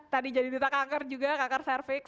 tadi jadi deta kanker juga kanker cervix